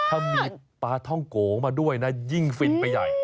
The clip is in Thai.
ถ้ามีปลาท่องโกมาด้วยนะยิ่งฟินไปใหญ่